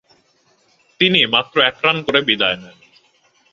তিনি মাত্র এক রান করে বিদায় নেন।